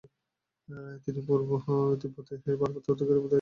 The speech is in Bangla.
তিনি পূর্ব তিব্বতের ভারপ্রাপ্ত আধিকারিকের দায়িত্ব পালন করেন।